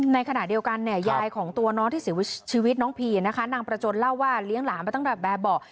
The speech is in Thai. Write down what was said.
ในขณะเดียวกันเนี่ยยายของตัวน้องที่เสียชีวิตน้องพีนะคะนางประจนเล่าว่าเลี้ยงหลานมาตั้งแต่แบบเบาะ